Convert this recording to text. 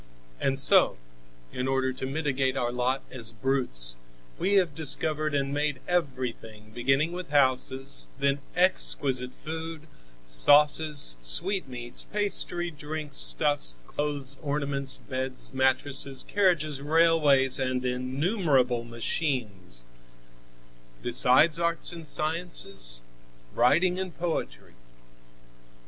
And so, in order to mitigate our lot as brutes, we have discovered and made everything, beginning with houses, then exquisite food, sauces, sweetmeats, pastry, drink, stuffs, clothes, ornaments, beds, mattresses, carriages, railways and innumerable machines, besides arts and sciences, writing and poetry.